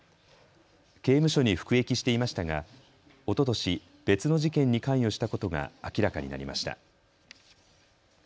刑務所に服役していましたがおととし別の事件に関与したことが明らかになりました。